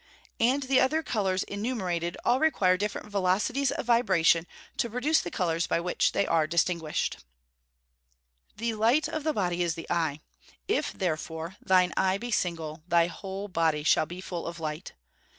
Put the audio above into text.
And the other colours enumerated (see 464) all require different velocities of vibration to produce the colours by which they are distinguished. [Verse: "The light of the body is the eye: if therefore thine eye be single, thy whole body shall be full of light."